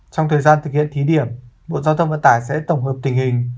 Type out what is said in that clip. trong thời gian thực hiện thí điểm bộ giao thông vận tải sẽ tổng hợp tình hình